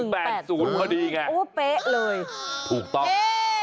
๑๘๐พอดีไงอุ๊บเป๊ะเลยถูกต้อง